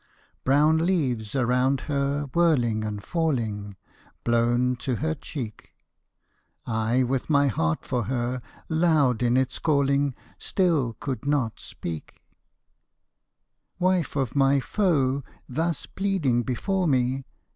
Brown leaves around her whirling and falling, Blown to her cheek. I with my heart for her loud in its calling, Still could not speak I Wife of my foe thus pleading before me.